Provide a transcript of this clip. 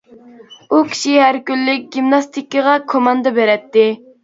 ئۇ كىشى ھەر كۈنلۈك گىمناستىكىغا كوماندا بېرەتتى.